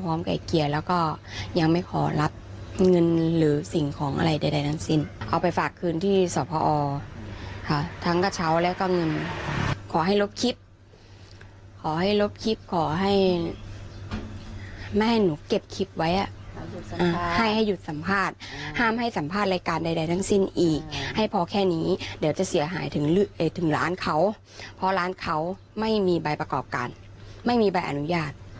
เพราะร้านเขาไม่มีใบประกอบการไม่มีใบอนุญาต